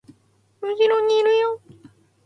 後ろにいるよ